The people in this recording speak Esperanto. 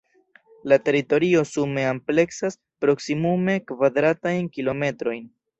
La teritorio sume ampleksas proksimume kvadratajn kilometrojn.